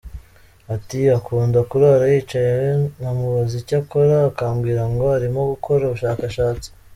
Ati "Akunda kurara yicaye nkamubaza icyo akora akambwira ngo arimo gukora ubushakashatsi.